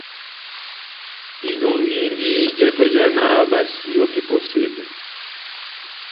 Inɔngindi jɛtɔ já náh basiyo bahipɔse pɛhɛ.